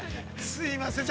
すいません。